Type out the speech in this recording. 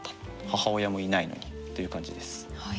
母親もいないのにっていう感じです。